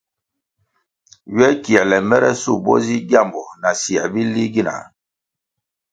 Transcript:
Ywe kiēle mere shup bo zi gyambo na syē bili gina?